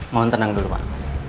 mohon tenang dulu pak